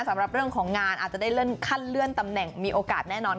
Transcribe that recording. สำหรับเรื่องของงานอาจจะได้เลื่อนขั้นเลื่อนตำแหน่งมีโอกาสแน่นอน